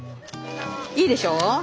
いいでしょ。